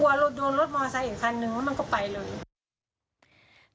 กลัวโดนรถมอไซชนอีกคันนึงมันก็ไปเลย